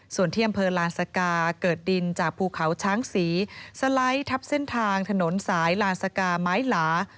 ส่วนที่อำเภอลานสกาเกิดดินจากภูเขาช้างศรีสไลด์ทับเส้นทางถนนสายลานสกาไม้หลา